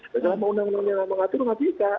dan dalam undang undang yang mengatur mengatir ikat